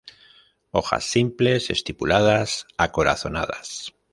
Hojas simples, estipuladas, acorazonadas.